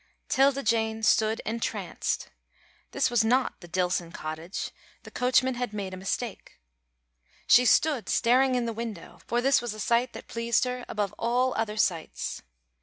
'Tilda Jane stood entranced. This was not the Dillson cottage, the coachman had made a mistake. She stood staring in the window, for this was a sight that pleased her above all other sights.